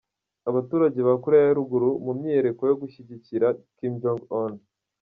Abaturage ba Koreya ya ruguru mu myiyereko yo gushyigikira Kim Jong Un